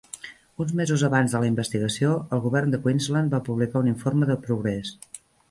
Uns mesos abans de la investigació, el govern de Queensland va publicar un informe de progrés.